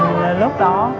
mong ước của mình lúc đó